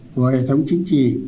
của hệ thống chính trị